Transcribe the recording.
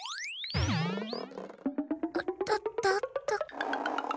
おっとっとっと。